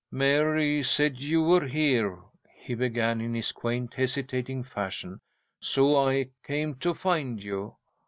"Mary said you were here," he began, in his quaint, hesitating fashion, "so I came to find you.